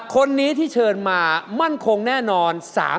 คนนี้ที่เชิญมามั่นคงแน่นอน